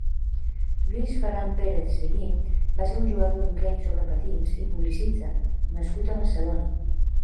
Lluís Ferran Pérez Seguí va ser un jugador d'hoquei sobre patins i publicista nascut a Barcelona.